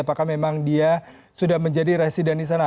apakah memang dia sudah menjadi resident di sana